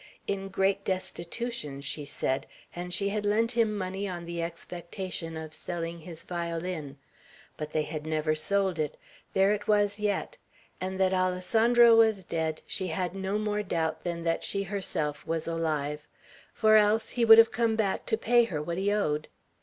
In great destitution, she said; and she had lent him money on the expectation of selling his violin; but they had never sold it; there it was yet. And that Alessandro was dead, she had no more doubt than that she herself was alive; for else, he would have come back to pay her what he owed.